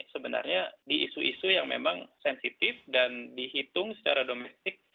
sebenarnya di isu isu yang memang sensitif dan dihitung secara domestik